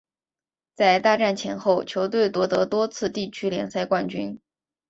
在大战前后球队夺得多次地区联赛冠军。